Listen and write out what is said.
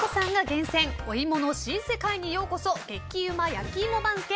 厳選お芋の新世界にようこそ激うま焼き芋番付